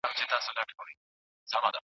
ولي د انرژۍ کمښت د فابریکو فعالیت محدودوي؟